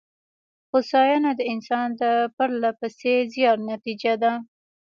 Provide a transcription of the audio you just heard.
هوساینه د انسان د پرله پسې زیار نتېجه ده.